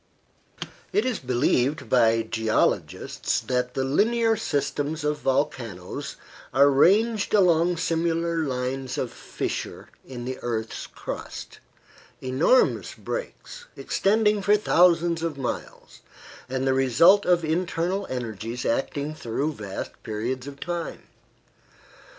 It is believed by geologists that the linear systems of volcanoes are ranged along similar lines of fissure in the earth's crust enormous breaks, extending for thousands of miles, and the result of internal energies acting through vast periods of time.